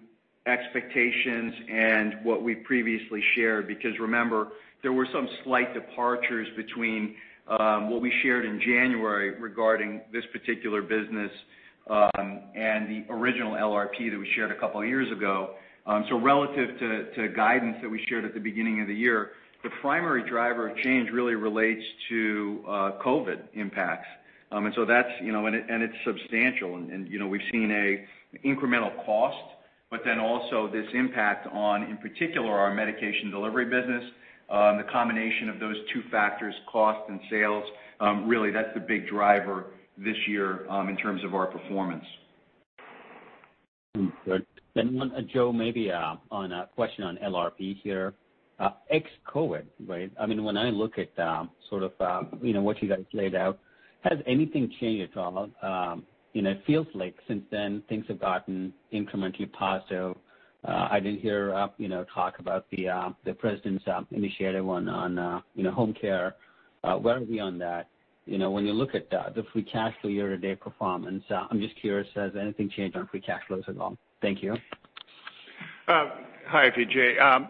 expectations and what we previously shared because remember, there were some slight departures between what we shared in January regarding this particular business and the original LRP that we shared a couple of years ago. Relative to guidance that we shared at the beginning of the year, the primary driver of change really relates to COVID impacts. It's substantial. We've seen an incremental cost, but then also this impact on, in particular, our medication delivery business. The combination of those two factors, cost and sales, really, that's the big driver this year in terms of our performance. Joe, maybe on a question on LRP here. Ex-COVID, right? I mean, when I look at sort of what you guys laid out, has anything changed at all? It feels like since then, things have gotten incrementally positive. I didn't hear talk about the president's initiative on home care. Where are we on that? When you look at the free cash flow year-to-date performance, I'm just curious, has anything changed on free cash flows at all? Thank you. Hi, Vijay.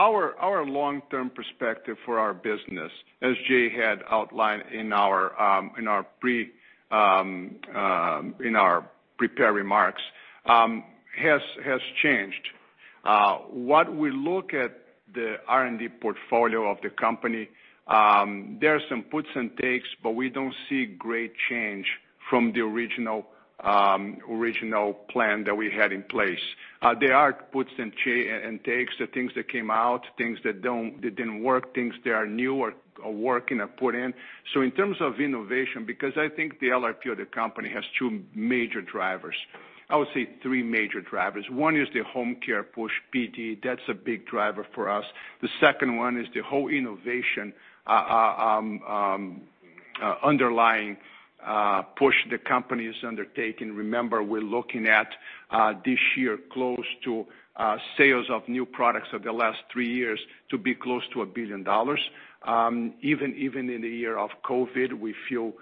Our long-term perspective for our business, as Jay had outlined in our prepared remarks, has changed. What we look at the R&D portfolio of the company, there are some puts and takes, but we don't see great change from the original plan that we had in place. There are puts and takes, the things that came out, things that did not work, things that are new or working or put in. In terms of innovation, because I think the LRP of the company has two major drivers, I would say three major drivers. One is the home care push, PD. That is a big driver for us. The second one is the whole innovation underlying push the company is undertaking. Remember, we are looking at this year close to sales of new products of the last three years to be close to $1 billion. Even in the year of COVID, we feel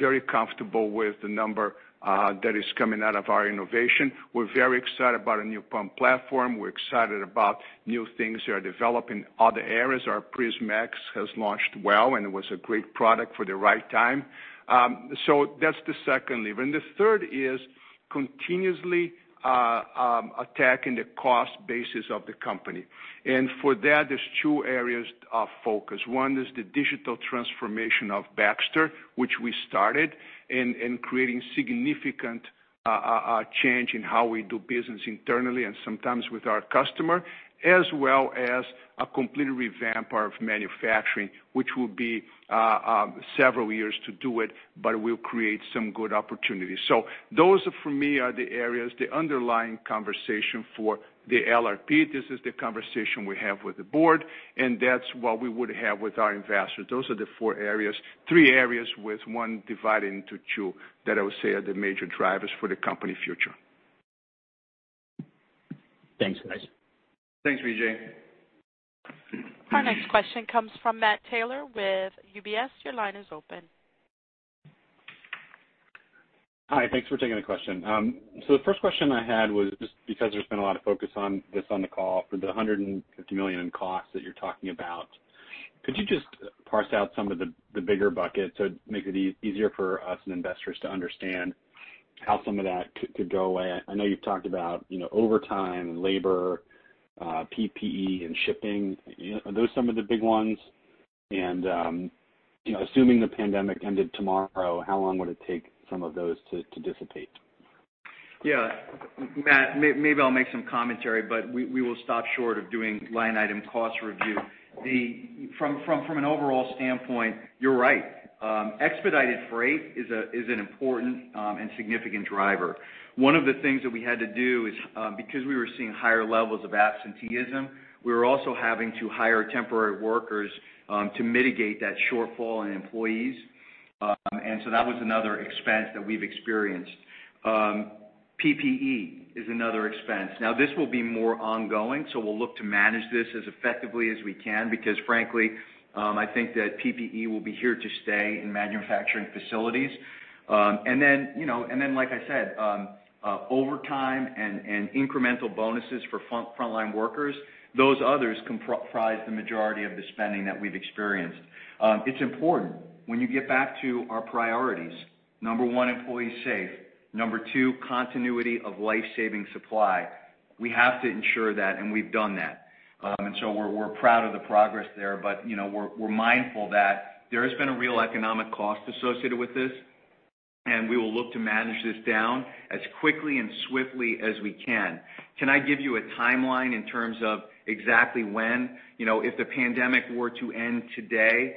very comfortable with the number that is coming out of our innovation. We are very excited about a new pump platform. We are excited about new things that are developed in other areas. Our PrisMax has launched well, and it was a great product for the right time. That is the second lever. The third is continuously attacking the cost basis of the company. For that, there are two areas of focus. One is the digital transformation of Baxter, which we started in creating significant change in how we do business internally and sometimes with our customer, as well as a complete revamp of manufacturing, which will be several years to do it, but it will create some good opportunities. Those for me are the areas, the underlying conversation for the LRP. This is the conversation we have with the board, and that is what we would have with our investors. Those are the three areas with one divided into two that I would say are the major drivers for the company future. Thanks, guys. Thanks, Vijay. Our next question comes from Matt Taylor with UBS. Your line is open. Hi. Thanks for taking the question. The first question I had was just because there's been a lot of focus on this on the call for the $150 million in costs that you're talking about. Could you just parse out some of the bigger buckets so it makes it easier for us and investors to understand how some of that could go away? I know you've talked about overtime, labor, PPE, and shipping. Are those some of the big ones? Assuming the pandemic ended tomorrow, how long would it take some of those to dissipate? Yeah. Matt, maybe I'll make some commentary, but we will stop short of doing line item cost review. From an overall standpoint, you're right. Expedited freight is an important and significant driver. One of the things that we had to do is because we were seeing higher levels of absenteeism, we were also having to hire temporary workers to mitigate that shortfall in employees. That was another expense that we've experienced. PPE is another expense. This will be more ongoing, so we'll look to manage this as effectively as we can because, frankly, I think that PPE will be here to stay in manufacturing facilities. Like I said, overtime and incremental bonuses for frontline workers, those others comprise the majority of the spending that we've experienced. It's important when you get back to our priorities. Number one, employees safe. Number two, continuity of life-saving supply. We have to ensure that, and we've done that. We are proud of the progress there, but we are mindful that there has been a real economic cost associated with this, and we will look to manage this down as quickly and swiftly as we can. Can I give you a timeline in terms of exactly when? If the pandemic were to end today,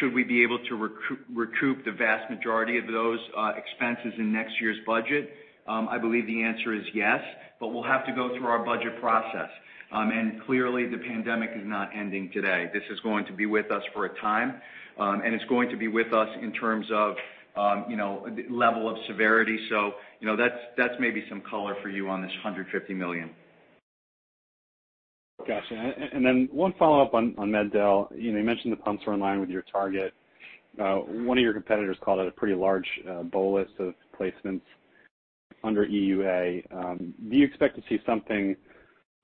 should we be able to recoup the vast majority of those expenses in next year's budget? I believe the answer is yes, but we will have to go through our budget process. Clearly, the pandemic is not ending today. This is going to be with us for a time, and it is going to be with us in terms of level of severity. That is maybe some color for you on this $150 million. Gotcha. One follow-up on MedDel. You mentioned the pumps were in line with your target. One of your competitors called it a pretty large bolus of placements under EUA. Do you expect to see something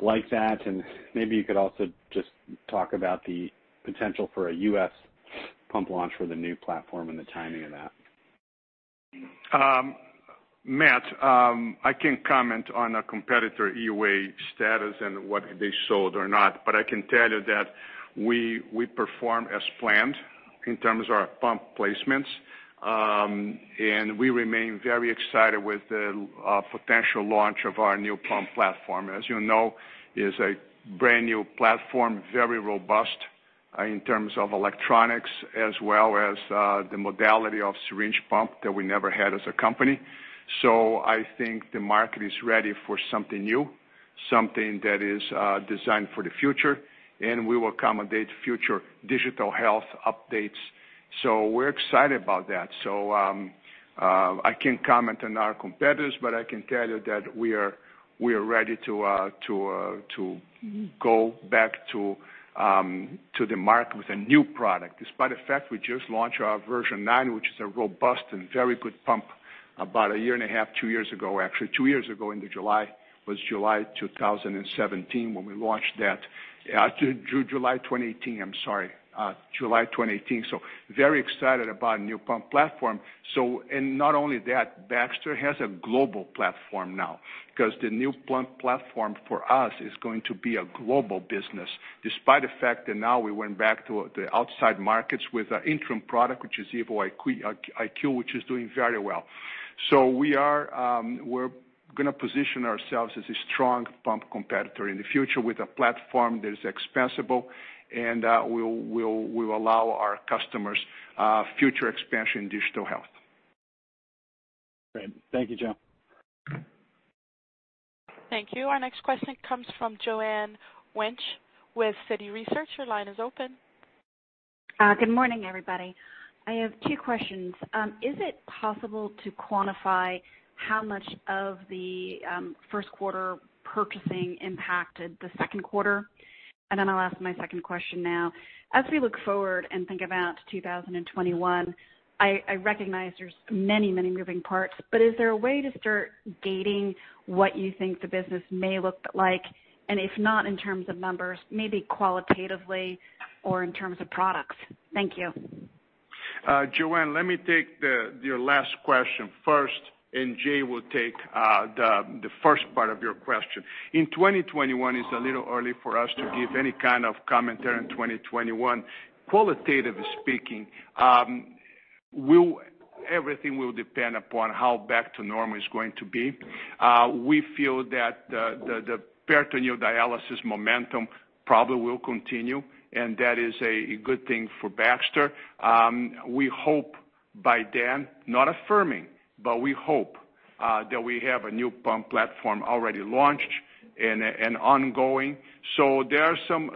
like that? Maybe you could also just talk about the potential for a U.S. pump launch for the new platform and the timing of that. Matt, I can't comment on a competitor EUA status and what they sold or not, but I can tell you that we performed as planned in terms of our pump placements, and we remain very excited with the potential launch of our new pump platform. As you know, it is a brand new platform, very robust in terms of electronics, as well as the modality of syringe pump that we never had as a company. I think the market is ready for something new, something that is designed for the future, and we will accommodate future digital health updates. We're excited about that. I can't comment on our competitors, but I can tell you that we are ready to go back to the market with a new product. Despite the fact, we just launched our version 9, which is a robust and very good pump about a year and a half, two years ago, actually. Two years ago in July, it was July 2017 when we launched that. July 2018, I'm sorry. July 2018. Very excited about a new pump platform. Not only that, Baxter has a global platform now because the new pump platform for us is going to be a global business, despite the fact that now we went back to the outside markets with our interim product, which is EvoIQ, which is doing very well. We're going to position ourselves as a strong pump competitor in the future with a platform that is extensible, and will allow our customers future expansion in digital health. Great. Thank you, Joe. Thank you. Our next question comes from Joanne Wuensch with Citi Research. Your line is open. Good morning, everybody. I have two questions. Is it possible to quantify how much of the first quarter purchasing impacted the second quarter? And then I'll ask my second question now. As we look forward and think about 2021, I recognize there's many, many moving parts, but is there a way to start dating what you think the business may look like? And if not in terms of numbers, maybe qualitatively or in terms of products? Thank you. Joanne, let me take your last question first, and Jay will take the first part of your question. In 2021, it's a little early for us to give any kind of commentary in 2021. Qualitatively speaking, everything will depend upon how back to normal is going to be. We feel that the peritoneal dialysis momentum probably will continue, and that is a good thing for Baxter. We hope by then, not affirming, but we hope that we have a new pump platform already launched and ongoing. There are some,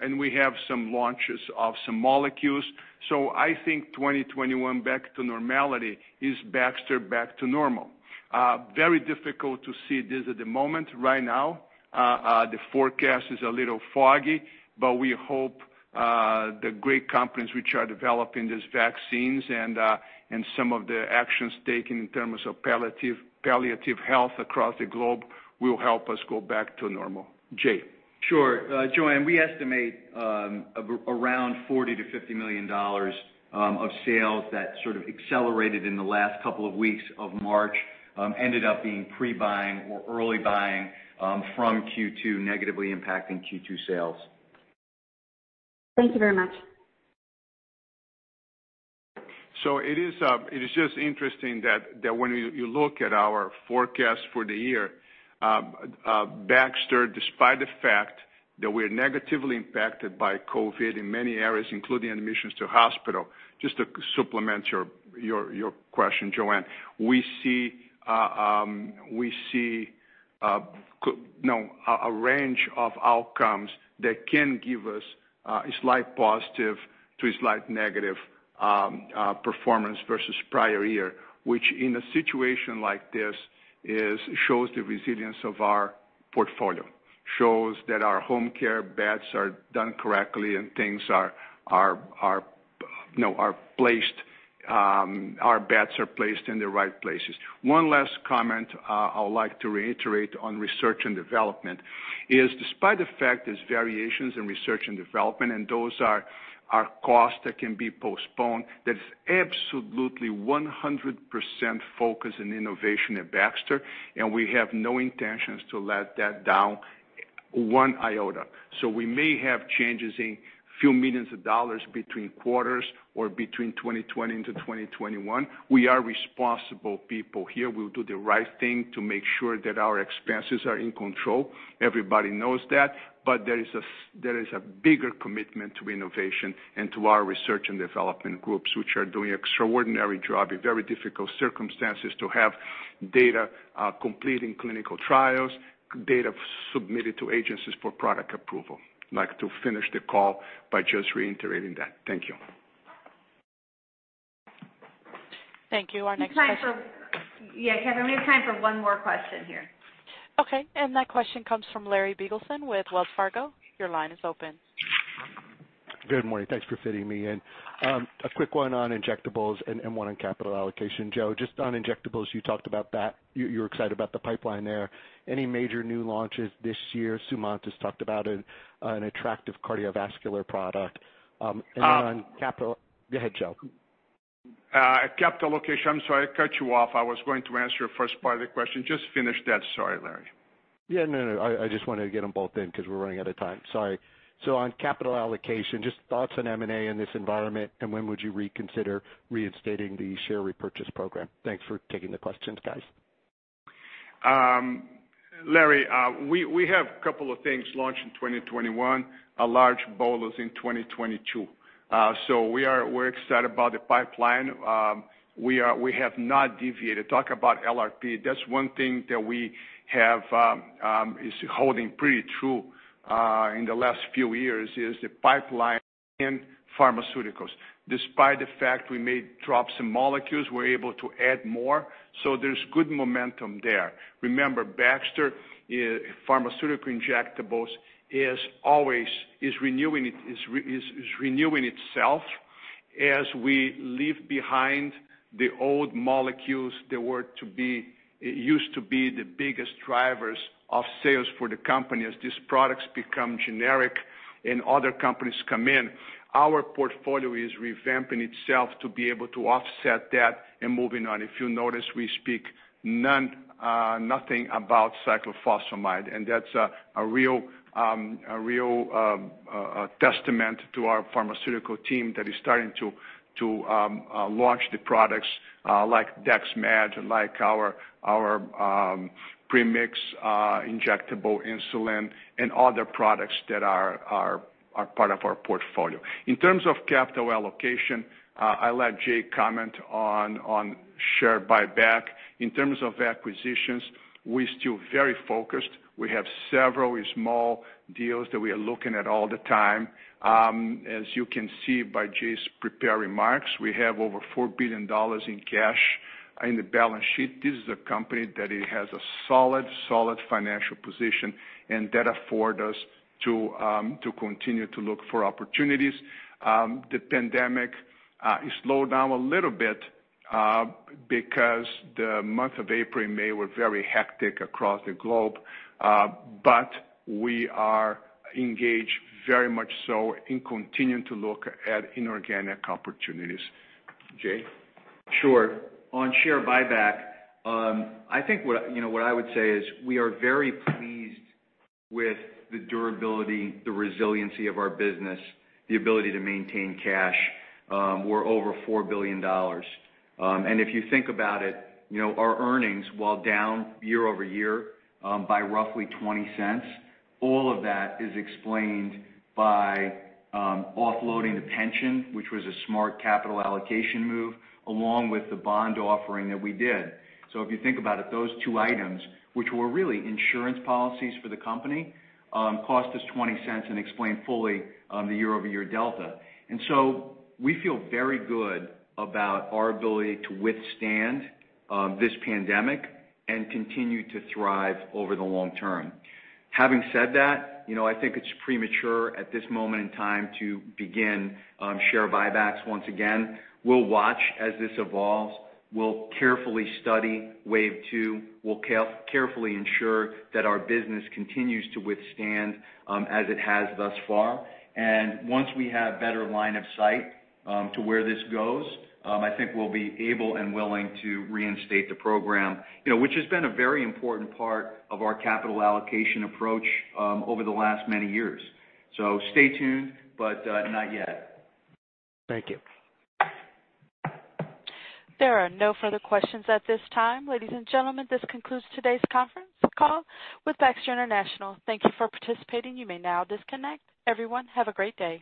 and we have some launches of some molecules. I think 2021 back to normality is Baxter back to normal. Very difficult to see this at the moment. Right now, the forecast is a little foggy, but we hope the great companies which are developing these vaccines and some of the actions taken in terms of palliative health across the globe will help us go back to normal. Jay. Sure. Joanne, we estimate around $40 million-$50 million of sales that sort of accelerated in the last couple of weeks of March ended up being pre-buying or early buying from Q2, negatively impacting Q2 sales. Thank you very much. It is just interesting that when you look at our forecast for the year, Baxter, despite the fact that we're negatively impacted by COVID in many areas, including admissions to hospital, just to supplement your question, Joanne, we see a range of outcomes that can give us a slight positive to a slight negative performance versus prior year, which in a situation like this shows the resilience of our portfolio, shows that our home care beds are done correctly and things are placed, our beds are placed in the right places. One last comment I would like to reiterate on research and development is, despite the fact there's variations in research and development, and those are costs that can be postponed, that it's absolutely 100% focus and innovation at Baxter, and we have no intentions to let that down one iota. We may have changes in a few millions of dollars between quarters or between 2020 and 2021. We are responsible people here. We'll do the right thing to make sure that our expenses are in control. Everybody knows that. There is a bigger commitment to innovation and to our research and development groups, which are doing an extraordinary job in very difficult circumstances to have data completing clinical trials, data submitted to agencies for product approval. I'd like to finish the call by just reiterating that. Thank you. Thank you. Our next question. Yeah. Kevin, we have time for one more question here. Okay. That question comes from Larry Biegelsen with Wells Fargo. Your line is open. Good morning. Thanks for fitting me in. A quick one on injectables and one on capital allocation. Joe, just on injectables, you talked about that. You're excited about the pipeline there. Any major new launches this year? Sumant has talked about an attractive cardiovascular product. On capital. Go ahead, Joe. Capital allocation. I'm sorry. I cut you off. I was going to answer your first part of the question. Just finish that. Sorry, Larry. Yeah. No, no. I just wanted to get them both in because we're running out of time. Sorry. On capital allocation, just thoughts on M&A in this environment, and when would you reconsider reinstating the share repurchase program? Thanks for taking the questions, guys. Larry, we have a couple of things launched in 2021, a large bolus in 2022. We are excited about the pipeline. We have not deviated. Talk about LRP. That is one thing that we have is holding pretty true in the last few years is the pipeline in pharmaceuticals. Despite the fact we may drop some molecules, we are able to add more. There is good momentum there. Remember, Baxter pharmaceutical injectables is renewing itself as we leave behind the old molecules that used to be the biggest drivers of sales for the company as these products become generic and other companies come in. Our portfolio is revamping itself to be able to offset that and moving on. If you notice, we speak nothing about cyclophosphamide, and that's a real testament to our pharmaceutical team that is starting to launch the products like Dexmed, like our premix injectable insulin, and other products that are part of our portfolio. In terms of capital allocation, I let Jay comment on share buyback. In terms of acquisitions, we're still very focused. We have several small deals that we are looking at all the time. As you can see by Jay's prepared remarks, we have over $4 billion in cash in the balance sheet. This is a company that has a solid, solid financial position, and that affords us to continue to look for opportunities. The pandemic slowed down a little bit because the month of April and May were very hectic across the globe, but we are engaged very much so in continuing to look at inorganic opportunities. Jay? Sure. On share buyback, I think what I would say is we are very pleased with the durability, the resiliency of our business, the ability to maintain cash. We're over $4 billion. If you think about it, our earnings while down year over year by roughly $0.20, all of that is explained by offloading the pension, which was a smart capital allocation move, along with the bond offering that we did. If you think about it, those two items, which were really insurance policies for the company, cost us $0.20 and explained fully the year-over-year delta. We feel very good about our ability to withstand this pandemic and continue to thrive over the long term. Having said that, I think it's premature at this moment in time to begin share buybacks once again. We'll watch as this evolves. We'll carefully study wave two. We'll carefully ensure that our business continues to withstand as it has thus far. Once we have a better line of sight to where this goes, I think we'll be able and willing to reinstate the program, which has been a very important part of our capital allocation approach over the last many years. Stay tuned, but not yet. Thank you. There are no further questions at this time. Ladies and gentlemen, this concludes today's conference call with Baxter International. Thank you for participating. You may now disconnect. Everyone, have a great day.